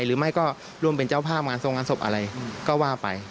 หรือไม่ก็ร่วมเป็นเจ้าภาพงานทรงงานศพอะไรก็ว่าไป